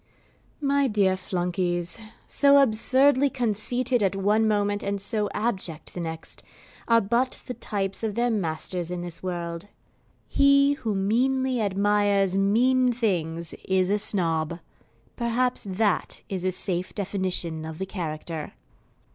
My dear Flunkeys, so absurdly conceited at one moment and so abject at the next, are but the types of their masters in this world. HE WHO MEANLY ADMIRES MEAN THINGS IS A SNOB perhaps that is a safe definition of the character.